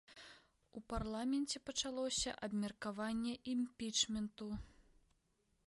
У парламенце пачалося абмеркаванне імпічменту.